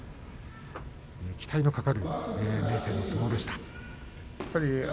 期待のかかる明生の相撲でした。